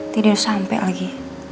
tidak sampai lagi